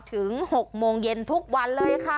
ถึง๖โมงเย็นทุกวันเลยค่ะ